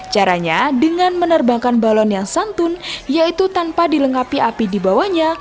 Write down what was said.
caranya dengan menerbangkan balon yang santun yaitu tanpa dilengkapi api di bawahnya